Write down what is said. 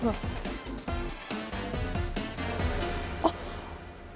あっ。